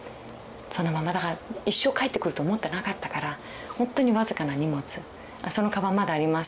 そのままだから一生帰ってくると思ってなかったからほんとに僅かな荷物そのカバンまだあります。